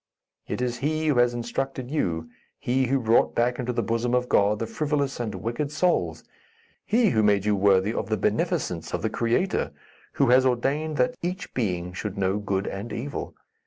It is he who has instructed you; he who brought back into the bosom of God the frivolous and wicked souls; he who made you worthy of the beneficence of the Creator, who has ordained that each being should know good and evil.